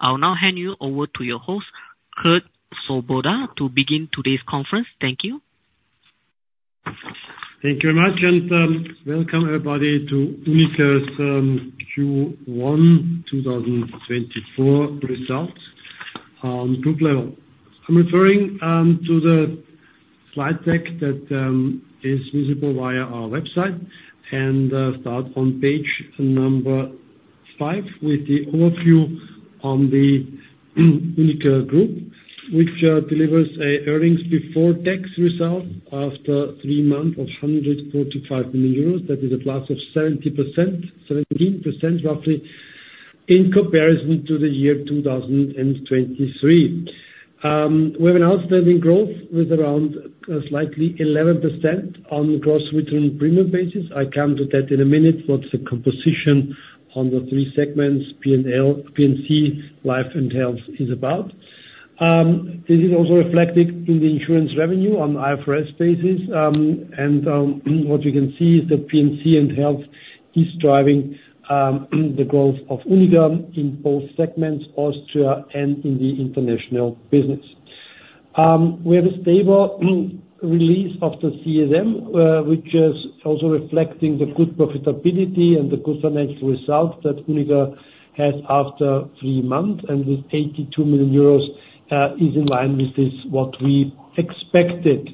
I'll now hand you over to your host, Kurt Svoboda, to begin today's conference. Thank you. Thank you very much, and welcome, everybody, to UNIQA's Q1 2024 results, group level. I'm referring to the slide deck that is visible via our website, and start on page number 5 with the overview on the UNIQA Group, which delivers a earnings before tax result after 3 months of 145 million euros. That is a plus of 70%, 17% roughly, in comparison to the year 2023. We have an outstanding growth with around slightly 11% on gross written premium basis. I come to that in a minute, what the composition on the three segments, P&C, Life, and Health is about. This is also reflected in the insurance revenue on IFRS basis. What you can see is that PNC and Health is driving the growth of UNIQA in both segments, Austria and in the international business. We have a stable release of the CSM, which is also reflecting the good profitability and the good financial results that UNIQA has after three months, and with 82 million euros is in line with what we expected.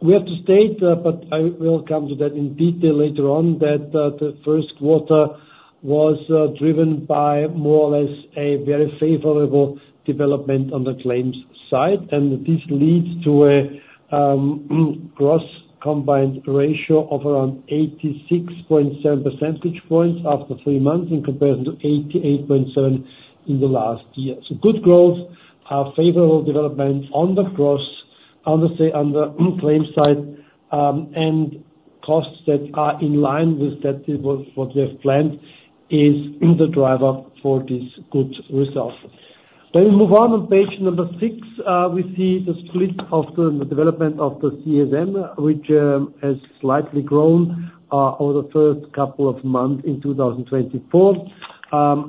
We have to state, but I will come to that in detail later on, that the first quarter was driven by more or less a very favorable development on the claims side. And this leads to a gross combined ratio of around 86.7 percentage points after three months, in comparison to 88.7 in the last year. So good growth, favorable development on the claims, obviously on the claim side, and costs that are in line with that is what, what we have planned is the driver for this good result. When we move on on page number 6, we see the split of the development of the CSM, which, has slightly grown, over the first couple of months in 2024.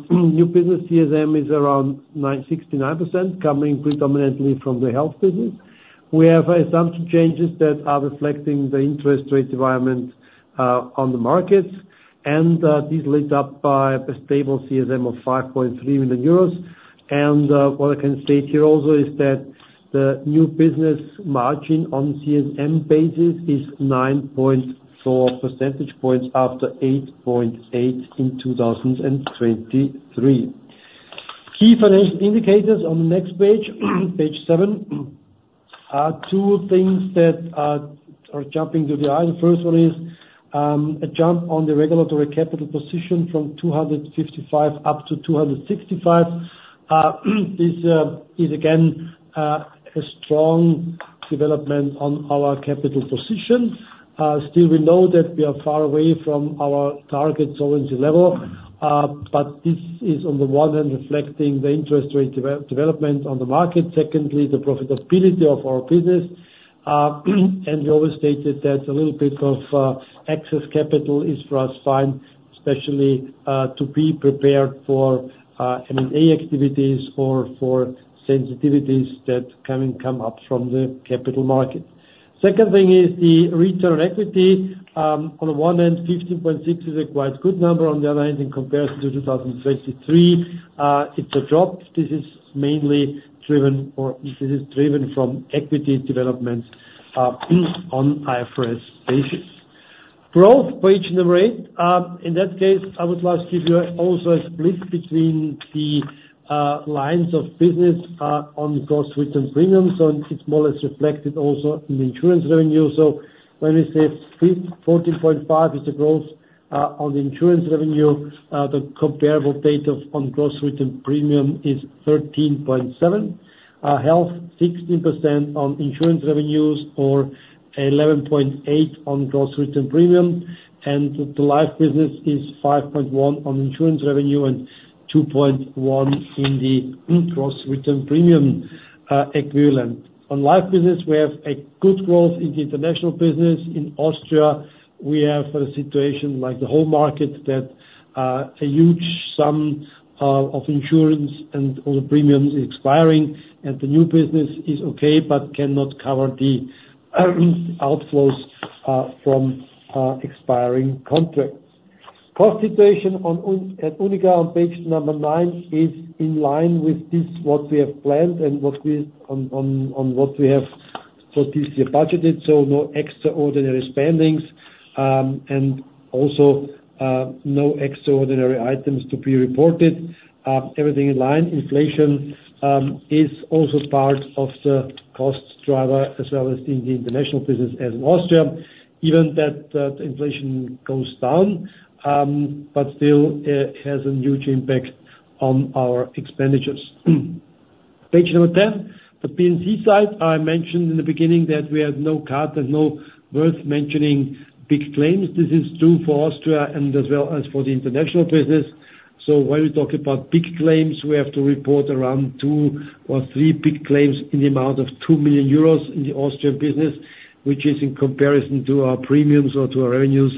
New business CSM is around 9.69%, coming predominantly from the health business. We have assumption changes that are reflecting the interest rate environment, on the markets, and, this leads up by a stable CSM of 5.3 million euros. And, what I can state here also is that the new business margin on CSM basis is 9.4 percentage points after 8.8 in 2023. Key financial indicators on the next page, page 7. Two things that are jumping to the eye. The first one is a jump on the regulatory capital position from 255 up to 265. This is again a strong development on our capital position. Still, we know that we are far away from our target solvency level, but this is on the one hand, reflecting the interest rate development on the market. Secondly, the profitability of our business. And we always stated that a little bit of excess capital is for us fine, especially to be prepared for M&A activities or for sensitivities that can come up from the capital markets. Second thing is the return on equity. On the one hand, 15.6 is a quite good number, on the other hand, in comparison to 2023, it's a drop. This is mainly driven, or this is driven from equity development, on IFRS basis. Growth, page 8. In that case, I would like to give you also a split between the, lines of business, on gross written premiums, and it's more or less reflected also in the insurance revenue. So when we say split, 14.5 is the growth, on the insurance revenue. The comparable data on gross written premium is 13.7. Health, 16% on insurance revenues, or 11.8 on gross written premium, and the life business is 5.1 on insurance revenue and 2.1 in the gross written premium, equivalent. On life business, we have a good growth in the international business. In Austria, we have a situation like the whole market, that a huge sum of insurance and all the premiums is expiring, and the new business is okay, but cannot cover the outflows from expiring contracts. Cost situation at UNIQA on page number nine is in line with what we have planned and what we have so this year budgeted, so no extraordinary spendings, and also no extraordinary items to be reported. Everything in line. Inflation is also part of the cost driver, as well as in the international business as in Austria. Even that, the inflation goes down, but still has a huge impact on our expenditures. Page number ten. The P&C side, I mentioned in the beginning that we had no CAT; there's no worth mentioning big claims. This is true for Austria as well as for the international business. So when we talk about big claims, we have to report around 2 or 3 big claims in the amount of 2 million euros in the Austrian business, which is in comparison to our premiums or to our revenues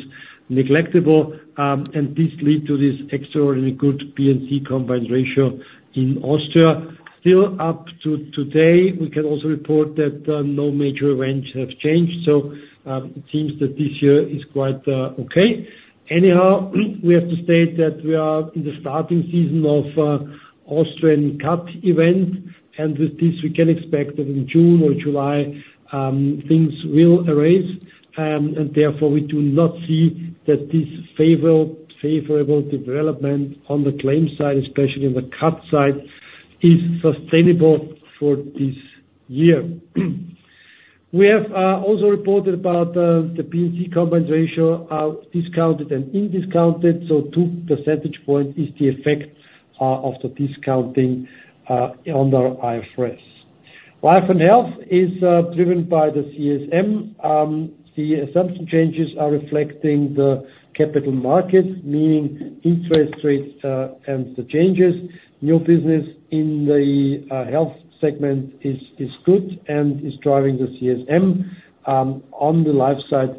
negligible, and this led to this extraordinary good P&C combined ratio in Austria. Still up to today, we can also report that no major events have changed, so it seems that this year is quite okay. Anyhow, we have to state that we are in the starting season of catastrophe event, and with this, we can expect that in June or July, things will arise. And therefore, we do not see that this favorable development on the claim side, especially on the CAT side, is sustainable for this year. We have also reported about the P&C compensation are discounted and undiscounted, so two percentage point is the effect of the discounting on our IFRS. Life and health is driven by the CSM. The assumption changes are reflecting the capital markets, meaning interest rates and the changes. New business in the health segment is good and is driving the CSM. On the life side,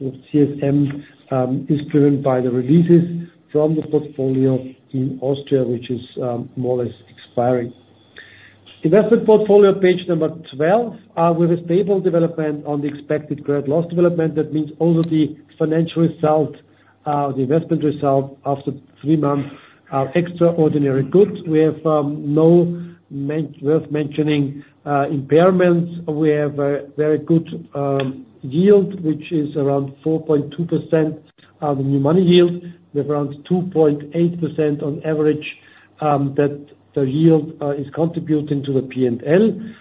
the CSM is driven by the releases from the portfolio in Austria, which is more or less expiring. Investment portfolio, page 12, with a stable development on the expected great loss development, that means also the financial result, the investment result after three months are extraordinary good. We have no mention worth mentioning impairments. We have a very good yield, which is around 4.2%, the new money yield. We have around 2.8% on average, that the yield is contributing to the P&L.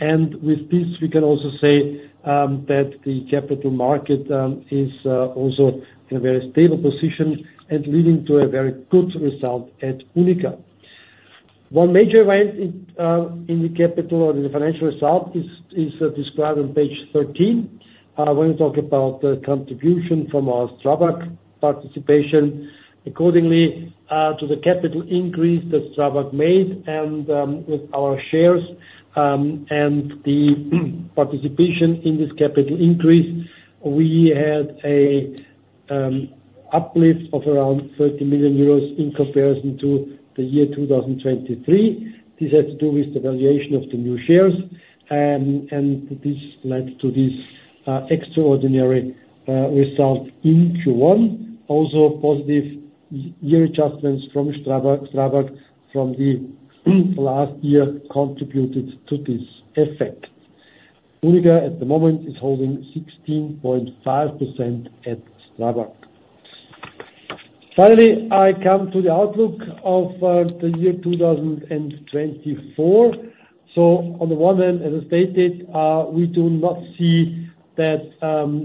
And with this, we can also say that the capital market is also in a very stable position and leading to a very good result at UNIQA. One major event in the capital or the financial result is described on page 13. When you talk about the contribution from our STRABAG participation, accordingly, to the capital increase that STRABAG made and, with our shares, and the participation in this capital increase, we had a uplift of around 30 million euros in comparison to the year 2023. This has to do with the valuation of the new shares, and this led to this, extraordinary, result in Q1. Also, positive year adjustments from STRABAG from the, last year contributed to this effect. UNIQA, at the moment, is holding 16.5% at STRABAG. Finally, I come to the outlook of, the year 2024. So on the one hand, as I stated, we do not see that,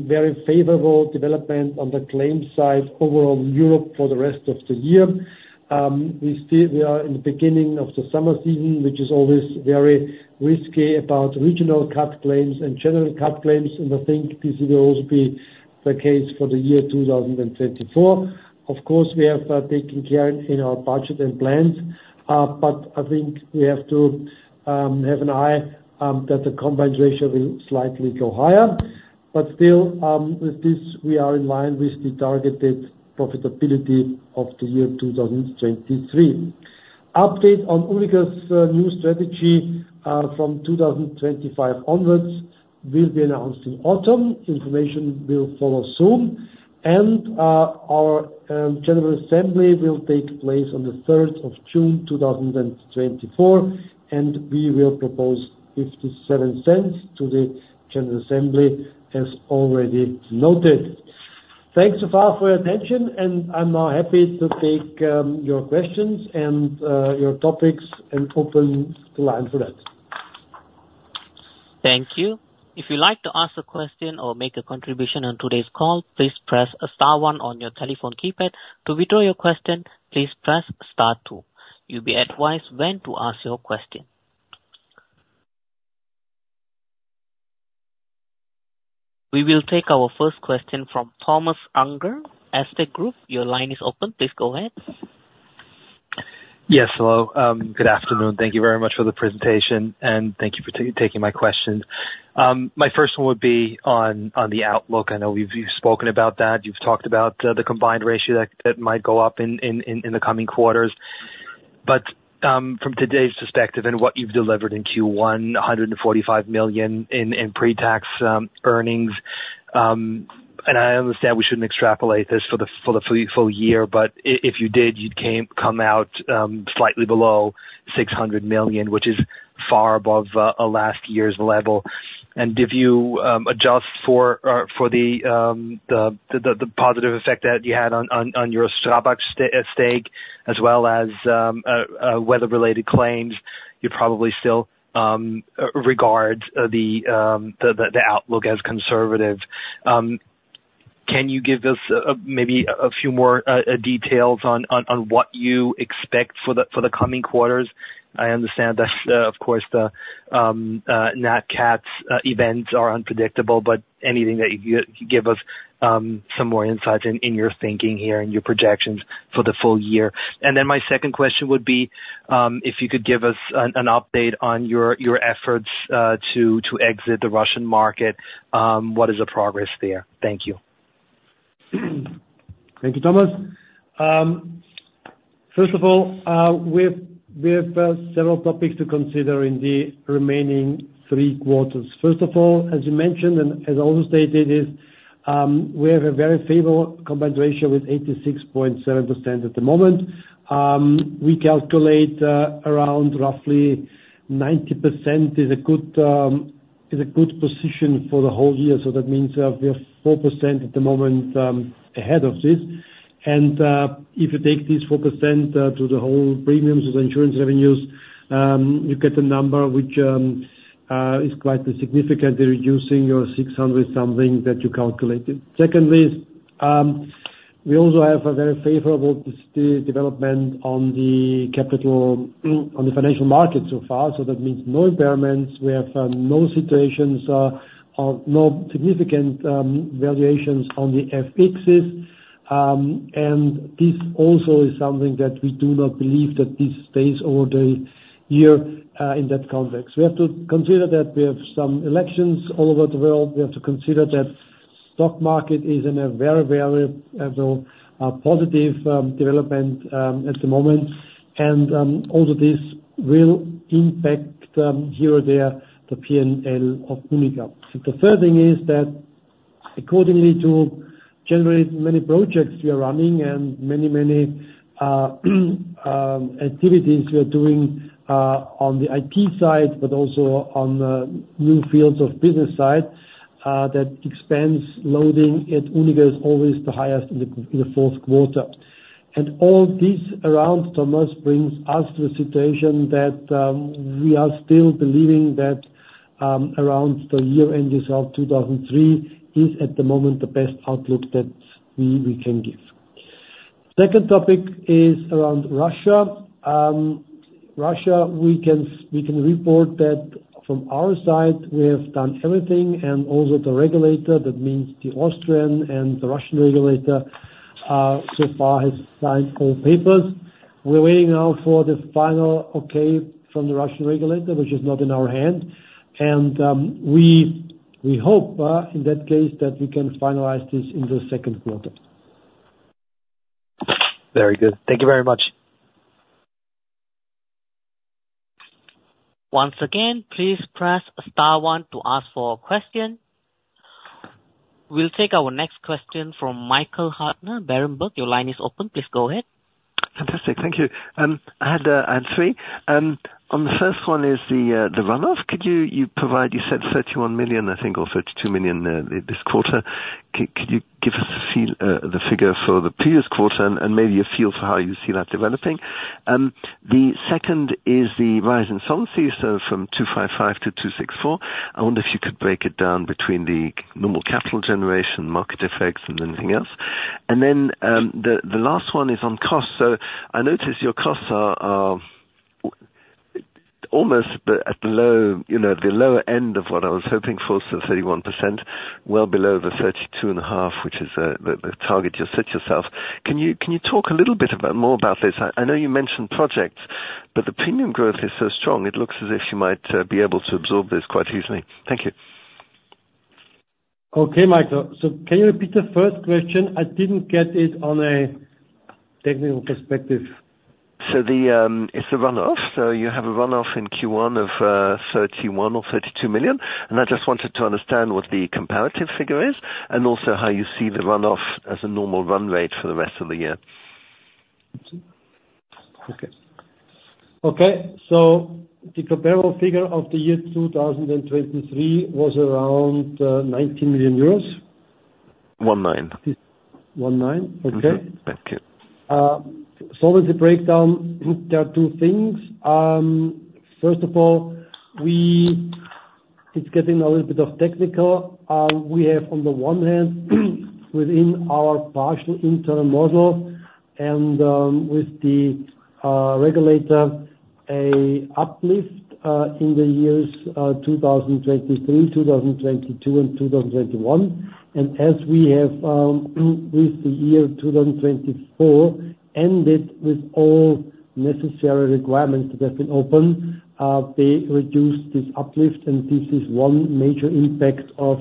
very favorable development on the claims side over Europe for the rest of the year. We still are in the beginning of the summer season, which is always very risky about regional CAT claims and general CAT claims, and I think this will also be the case for the year 2024. Of course, we have taken care in our budget and plans, but I think we have to have an eye that the combined ratio will slightly go higher. But still, with this, we are in line with the targeted profitability of the year 2023. Update on UNIQA's new strategy from 2025 onwards will be announced in autumn. Information will follow soon, and our general assembly will take place on the third of June 2024, and we will propose 0.57 to the general assembly, as already noted. Thanks so far for your attention, and I'm now happy to take your questions and your topics, and open the line for that. Thank you. If you'd like to ask a question or make a contribution on today's call, please press star one on your telephone keypad. To withdraw your question, please press star two. You'll be advised when to ask your question. We will take our first question from Thomas Unger, Erste Group. Your line is open. Please go ahead. Yes, hello. Good afternoon. Thank you very much for the presentation, and thank you for taking my questions. My first one would be on the outlook. I know we've, you've spoken about that. You've talked about the combined ratio that might go up in the coming quarters. But from today's perspective and what you've delivered in Q1, 145 million in pre-tax earnings, and I understand we shouldn't extrapolate this for the full year, but if you did, you'd come out slightly below 600 million, which is far above last year's level. And if you adjust for the positive effect that you had on your STRABAG stake, as well as weather-related claims, you probably still regards the outlook as conservative. Can you give us maybe a few more details on what you expect for the coming quarters? I understand that of course the non-CATs events are unpredictable, but anything that you give us some more insights in your thinking here and your projections for the full year. And then my second question would be if you could give us an update on your efforts to exit the Russian market. What is the progress there? Thank you. Thank you, Thomas. First of all, we have several topics to consider in the remaining three quarters. First of all, as you mentioned, and as also stated, is we have a very favorable combined ratio with 86.7% at the moment. We calculate around roughly 90% is a good position for the whole year. So that means, we are 4% at the moment ahead of this. And, if you take this 4% to the whole premiums of insurance revenues, you get a number which is quite significantly reducing your six hundred something that you calculated. Secondly, we also have a very favorable development on the capital, on the financial market so far, so that means no impairments. We have no situations or no significant variations on the FXs. And this also is something that we do not believe that this stays over the year in that context. We have to consider that we have some elections all over the world. We have to consider that stock market is in a very, very positive development at the moment. And all of this will impact here or there, the PNL of UNIQA. The third thing is that accordingly to generally many projects we are running and many, many activities we are doing on the IT side, but also on the new fields of business side that expense loading at UNIQA is always the highest in the fourth quarter. All this around, Thomas, brings us to a situation that we are still believing that around the year end result 2023 is, at the moment, the best outlook that we, we can give. Second topic is around Russia. Russia, we can, we can report that from our side, we have done everything, and also the regulator, that means the Austrian and the Russian regulator, so far has signed all papers. We're waiting now for the final okay from the Russian regulator, which is not in our hand. We hope, in that case, that we can finalize this in the second quarter. Very good. Thank you very much. Once again, please press star one to ask for a question. We'll take our next question from Michael Huttner, Berenberg. Your line is open. Please go ahead. Fantastic. Thank you. I had 3. On the first one is the run-off. Could you provide? You said 31 million, I think, or 32 million this quarter. Could you give us a feel for the figure for the previous quarter and maybe a feel for how you see that developing? The second is the rise in solvency, so from 255 to 264. I wonder if you could break it down between the normal capital generation, market effects, and anything else. And then, the last one is on cost. So I noticed your costs are almost but at the low, you know, the lower end of what I was hoping for, so 31%, well below the 32.5%, which is the target you set yourself. Can you talk a little bit about, more about this? I know you mentioned projects, but the premium growth is so strong, it looks as if you might be able to absorb this quite easily. Thank you. Okay, Michael. Can you repeat the first question? I didn't get it on a technical perspective. So it's the run-off. So you have a run-off in Q1 of 31-32 million, and I just wanted to understand what the comparative figure is, and also how you see the run-off as a normal run rate for the rest of the year. Okay. Okay, so the comparable figure of the year 2023 was around 19 million euros. One nine. 19? Okay. Thank you. So with the breakdown, there are two things. First of all, we—it's getting a little bit technical. We have, on the one hand, within our partial internal model and, with the regulator, an uplift in the years 2023, 2022, and 2021. And as we have, with the year 2024, ended with all necessary requirements that have been opened, they reduced this uplift, and this is one major impact of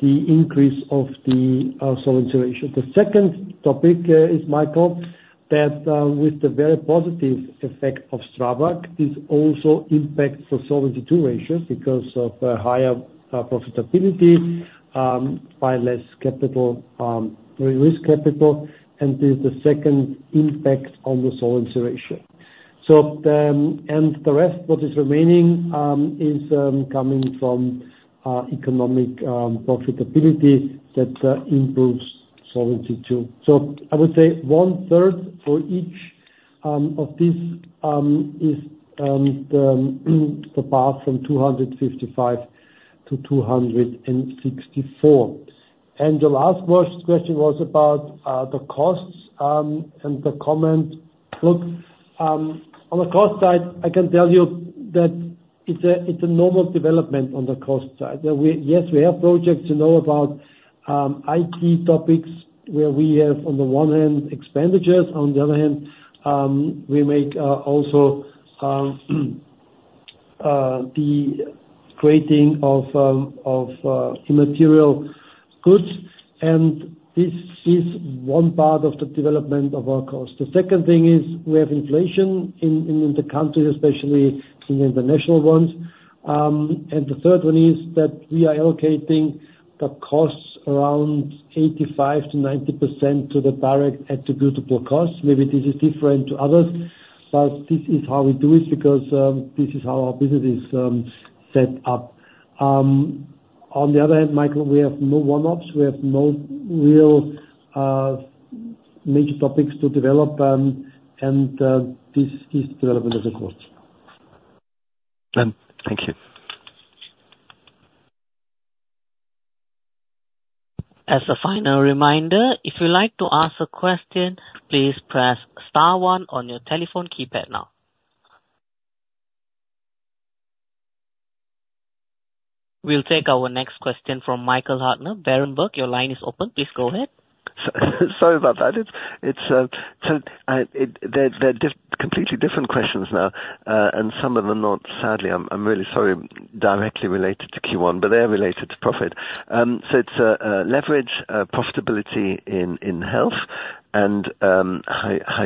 the increase of the Solvency II ratio. The second topic is, Michael, that, with the very positive effect of Strabag, this also impacts the Solvency II ratio because of a higher profitability by less capital risk capital, and this is the second impact on the Solvency II ratio. So, the rest, what is remaining, is coming from economic profitability that improves solvency too. So I would say one third for each of this is the path from 255 to 264. The last question was about the costs and the comment. Look, on the cost side, I can tell you that it's a normal development on the cost side. Yes, we have projects you know about, IT topics, where we have, on the one hand, expenditures, on the other hand, we make also the creating of immaterial goods, and this is one part of the development of our cost. The second thing is, we have inflation in the country, especially in the international ones. And the third one is that we are allocating the costs around 85%-90% to the direct attributable costs. Maybe this is different to others, but this is how we do it because this is how our business is set up. On the other hand, Michael, we have no one-offs, we have no real major topics to develop, and this development of the cost. Thank you. As a final reminder, if you'd like to ask a question, please press star one on your telephone keypad now. We'll take our next question from Michael Huttner, Berenberg. Your line is open, please go ahead. Sorry about that. It's completely different questions now, and some of them are not, sadly, I'm really sorry, directly related to Q1, but they are related to profit. So it's leverage, profitability in health and how...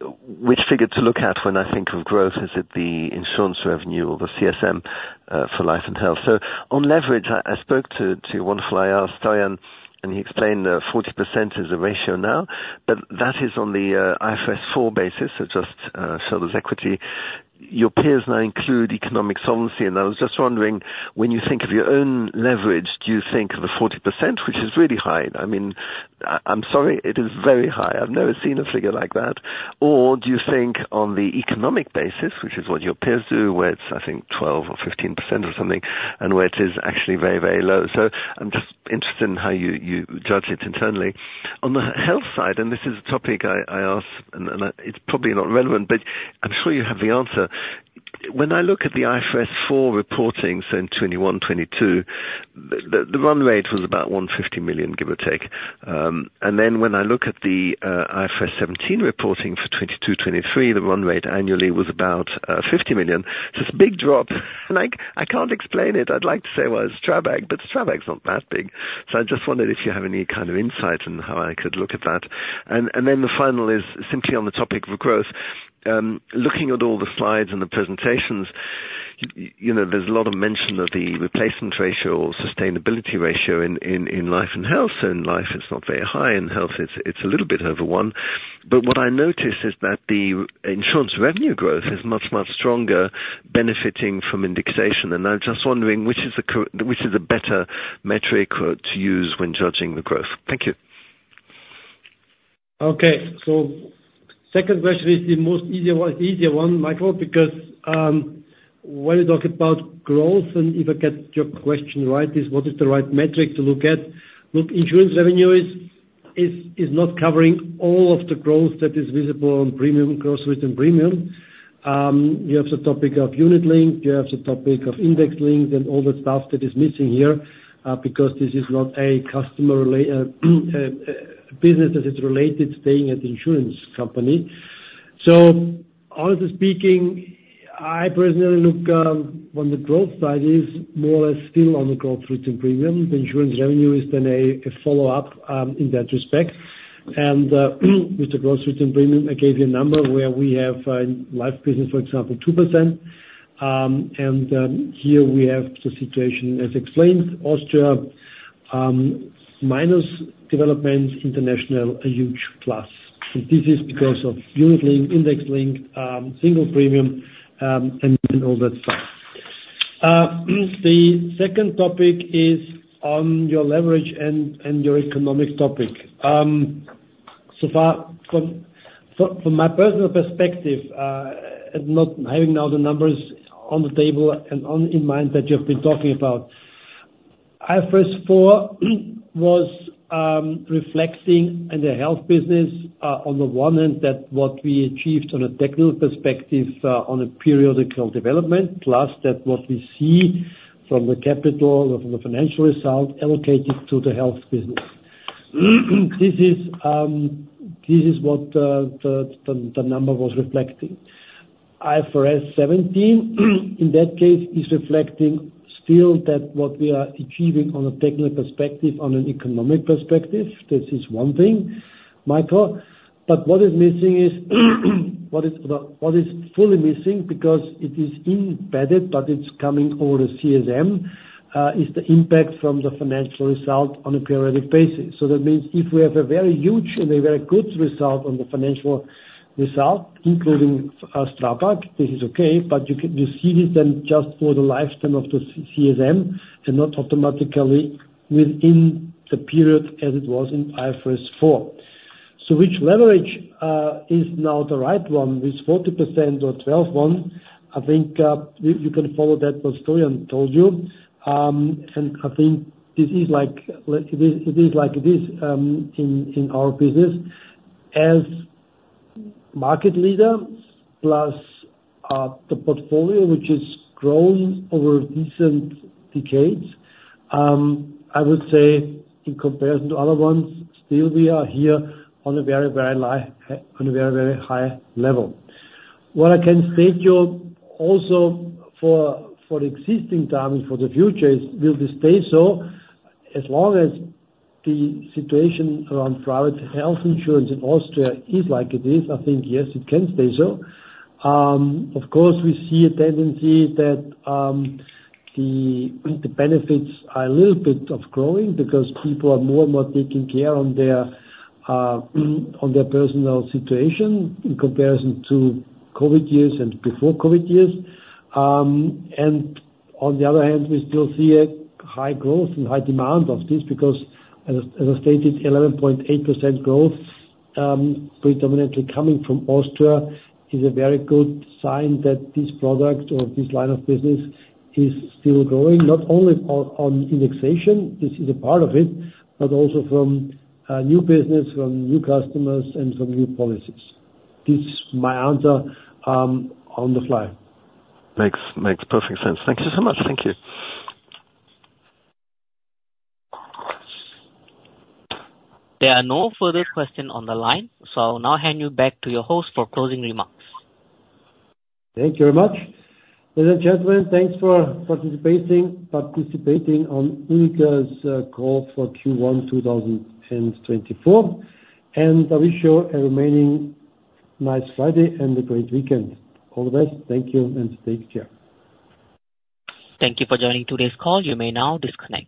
Which figure to look at when I think of growth, is it the insurance revenue or the CSM for life and health? So on leverage, I spoke to wonderful IR Stoyan, and he explained that 40% is the ratio now, but that is on the IFRS 4 basis, so just shareholders' equity. Your peers now include economic solvency, and I was just wondering, when you think of your own leverage, do you think of the 40%, which is really high? I mean, I'm sorry, it is very high. I've never seen a figure like that. Or do you think on the economic basis, which is what your peers do, where it's, I think, 12% or 15% or something, and where it is actually very, very low. So I'm just interested in how you judge it internally. On the health side, and this is a topic I ask, and I... It's probably not relevant, but I'm sure you have the answer. When I look at the IFRS 4 reporting, so in 2021, 2022, the run rate was about 150 million, give or take. And then when I look at the IFRS 17 reporting for 2022, 2023, the run rate annually was about 50 million. It's a big drop, and I can't explain it. I'd like to say, well, it's STRABAG, but STRABAG's not that big. So I just wondered if you have any kind of insight on how I could look at that. And then the final is simply on the topic of growth. Looking at all the slides and the presentations, you know, there's a lot of mention of the replacement ratio or sustainability ratio in life and health, and life is not very high, in health it's a little bit over one. But what I noticed is that the insurance revenue growth is much, much stronger benefiting from indexation, and I'm just wondering which is the better metric to use when judging the growth? Thank you. Okay. So second question is the easier one, Michael, because when you talk about growth, and if I get your question right, is what is the right metric to look at? Look, insurance revenue is not covering all of the growth that is visible on premium, growth with premium. You have the topic of unit link, you have the topic of index links and all the stuff that is missing here, because this is not a customer related business as it's related, staying at the insurance company. So honestly speaking, I personally look on the growth side, is more or less still on the gross written premium. The insurance revenue is then a follow-up in that respect. With the gross written premium, I gave you a number where we have life business, for example, 2%. And here we have the situation as explained, Austria, minus developments, international, a huge plus. And this is because of unit link, index link, single premium, and all that stuff. The second topic is on your leverage and your economic topic. So far from my personal perspective, and not having now the numbers on the table and in mind that you've been talking about, IFRS 4 was reflecting in the health business, on the one hand, that what we achieved on a technical perspective, on a periodical development, plus that what we see from the capital, from the financial result allocated to the health business. This is what the number was reflecting. IFRS 17, in that case, is reflecting still that what we are achieving on a technical perspective, on an economic perspective. This is one thing, Michael, but what is missing is, what is fully missing, because it is embedded, but it's coming over the CSM, is the impact from the financial result on a periodic basis. So that means if we have a very huge and a very good result on the financial result, including Strabag, this is okay, but you see this then just for the lifetime of the CSM, and not automatically within the period as it was in IFRS 4. So which leverage is now the right one, with 40% or 12 point? I think you can follow that, what Stoyan told you. And I think this is like it is, it is like this in our business. As market leader, plus the portfolio, which has grown over recent decades, I would say in comparison to other ones, still we are here on a very, very high level. What I can state you also for the existing time and for the future is, will this stay so? As long as the situation around private health insurance in Austria is like it is, I think yes, it can stay so. Of course, we see a tendency that the benefits are growing a little bit, because people are more and more taking care of their personal situation in comparison to COVID years and before COVID years. And on the other hand, we still see a high growth and high demand of this, because as I stated, 11.8% growth, predominantly coming from Austria, is a very good sign that this product or this line of business is still growing. Not only on indexation, this is a part of it, but also from new business, from new customers, and from new policies. This is my answer on the fly. Makes perfect sense. Thank you so much. Thank you. There are no further questions on the line, so I will now hand you back to your host for closing remarks. Thank you very much. Ladies and gentlemen, thanks for participating on UNIQA's call for Q1 2024, and I wish you a remaining nice Friday and a great weekend. All the best. Thank you, and take care. Thank you for joining today's call. You may now disconnect.